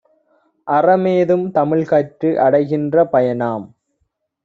அறமேதும் தமிழ்கற்று அடைகின்ற பயனாம்.